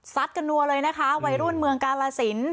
กันนัวเลยนะคะวัยรุ่นเมืองกาลสิน